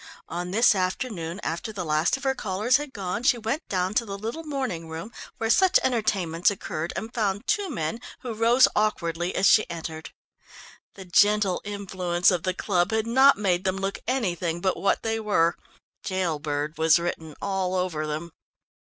On this afternoon, after the last of her callers had gone, she went down to the little morning room where such entertainments occurred and found two men, who rose awkwardly as she entered. The gentle influence of the club had not made them look anything but what they were. "Jail bird" was written all over them.